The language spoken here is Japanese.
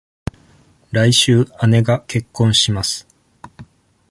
来週、姉が結婚します。